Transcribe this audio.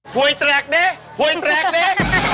ภูยแตรกนี่ภูยแตรกนี่